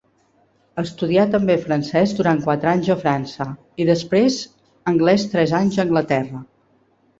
Estudià també francès durant quatre anys a França, i després anglès tres anys a Anglaterra.